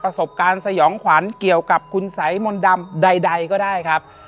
สบการสยองขวัญเกี่ยวกับคุณสัยมนต์ดำใดก็ได้ครับ